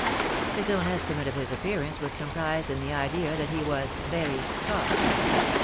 His own estimate of his appearance was comprised in the idea that he was "very Scotch."